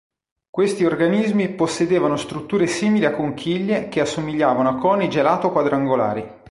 Questi organismi possedevano strutture simili a conchiglie che assomigliavano a coni gelato quadrangolari.